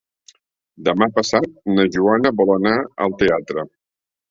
Demà passat na Joana vol anar al teatre.